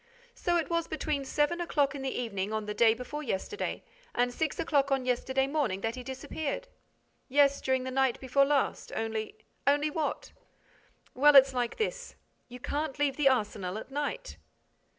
"So it was between seven o'clock in the evening, on the day before yesterday, and six o'clock on yesterday morning that he disappeared?" "Yes, during the night before last. Only—" "Only what?" "Well, it's like this: you can't leave the arsenal at night."